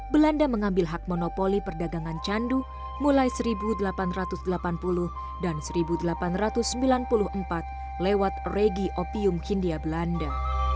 belanda mengambil hak monopoli perdagangan candu mulai seribu delapan ratus delapan puluh dan seribu delapan ratus sembilan puluh empat lewat regi opium hindia belanda